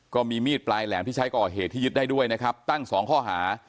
ก็มีมีดปลายแหลมที่ใช้ก่อเหตุที่ยึดได้ด้วยนะครับตั้งสองข้อหา